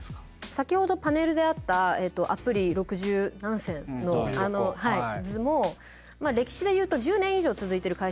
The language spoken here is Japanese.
先ほどパネルであったアプリ六十何選のあの図も歴史で言うと１０年以上続いてる会社ってないわけですよ。